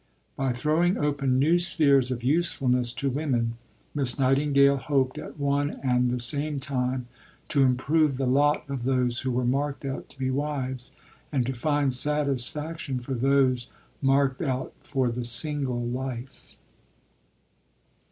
By throwing open new spheres of usefulness to women, Miss Nightingale hoped at one and the same time to improve the lot of those who were marked out to be wives, and to find satisfaction for those marked out for the single life.